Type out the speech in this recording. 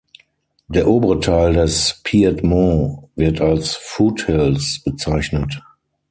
Der obere Teil des Piedmont wird als Foothills bezeichnet.